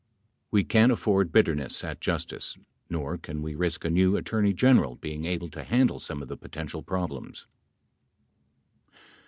We can't afford bitterness at Justice nor can we risk a new Attorney General being able to handle some of the potential problems.